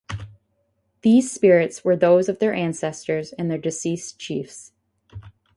These spirits were those of their ancestors and their deceased chiefs.